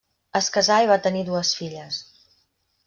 Es casà i va tenir dues filles.